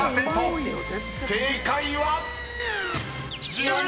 ［正解は⁉］